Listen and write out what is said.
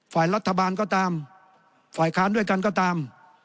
ฝ่ายรัฐบาลก็ตามฝ่ายค้านด้วยกันก็ตาม